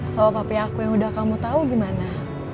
soal papi aku yang udah kamu tahu gimana